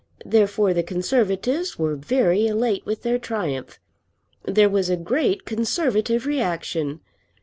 Therefore the Conservatives were very elate with their triumph. There was a great Conservative reaction.